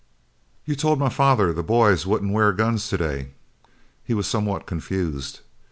"You told my father the boys wouldn't wear guns today." He was somewhat confused.